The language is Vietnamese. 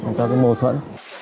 những mô thuẫn